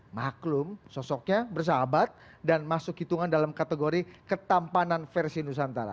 maklum sosoknya bersahabat dan masuk hitungan dalam kategori ketampanan versi nusantara